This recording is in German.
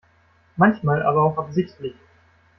Manchmal aber auch absichtlich.